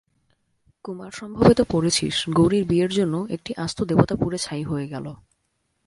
কুমারসম্ভবে তো পড়েছিস গৌরীর বিয়ের জন্য একটি আস্ত দেবতা পুড়ে ছাই হয়ে গেল।